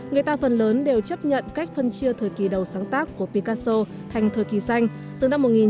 người ta phần lớn đều chấp nhận cách phân chia thời kỳ đầu sáng tác của picasso thành thời kỳ xanh từ năm một nghìn chín trăm linh một đến một nghìn chín trăm linh bốn